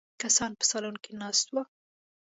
کسان په سالون کې ناست وو.